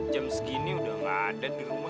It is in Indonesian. jam segini udah gak ada di rumah